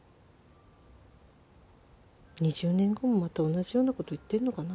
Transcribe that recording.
２０年後もまた同じようなこと言ってんのかな。